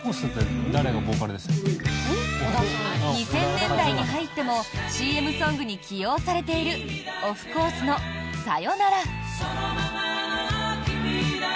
２０００年代に入ってもＣＭソングに起用されているオフコースの「さよなら」。